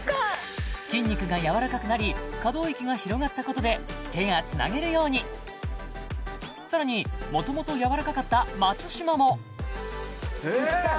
筋肉がやわらかくなり可動域が広がったことで手がつなげるようにさらにもともとやわらかかった松嶋もいった！